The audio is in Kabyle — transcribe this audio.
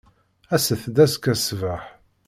Aset-d azekka ṣṣbeḥ.